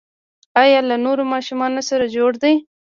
ایا له نورو ماشومانو سره جوړ دي؟